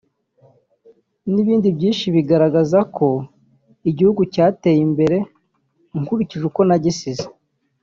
n’ibindi byinshi bigaragaza ko igihugu cyateye imbere nkurikije uko nagisize